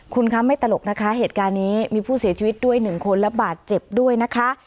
คุณคะไม่ตลกนะคะเหตุการณ์นี้มีผู้เสียชีวิตด้วยหนึ่งคนและบาดเจ็บด้วยนะคะ